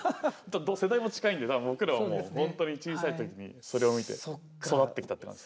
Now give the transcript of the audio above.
世代も近いんでだから僕らはもう本当に小さい時にそれを見て育ってきたって感じ。